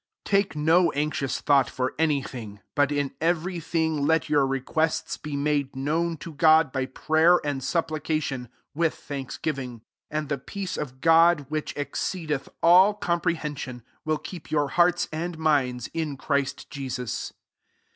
6 Take no anxious thought for any thing ; but in every thing let your requests be made known to God by prayer and supplication with thanksgiv ing : 7 and the peace of God, which exceedeth all compre hension, will keep your hearts and minds in Christ Jesus.